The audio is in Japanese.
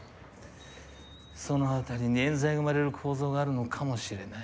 その辺りに冤罪が生まれる構造があるのかもしれない。